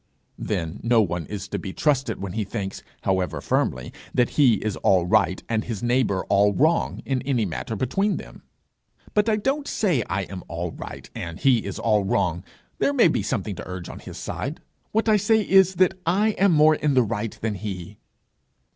'Then no one is to be trusted when he thinks, however firmly, that he is all right, and his neighbour all wrong, in any matter between them.' 'But I don't say I am all right, and he is all wrong; there may be something to urge on his side: what I say is, that I am more in the right than he.'